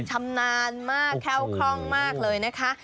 ชำนาญมากแค้วคล่องมากเลยนะคะ